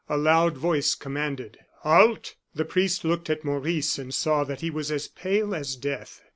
A loud voice commanded: "Halt!" The priest looked at Maurice and saw that he was as pale as death.